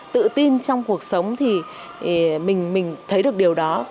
tự tin trong cuộc sống thì mình thấy được điều đó